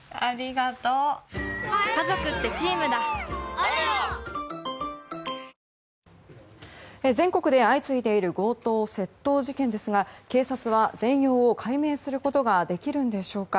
東京海上日動全国で相次いでいる強盗・窃盗事件ですが警察は、全容を解明することができるんでしょうか。